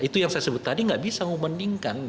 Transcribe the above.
itu yang saya sebut tadi nggak bisa membandingkan